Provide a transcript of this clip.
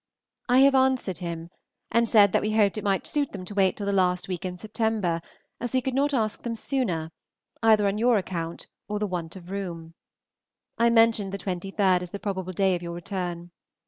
I have answered him, and said that we hoped it might suit them to wait till the last week in Septr., as we could not ask them sooner, either on your account or the want of room. I mentioned the 23rd as the probable day of your return.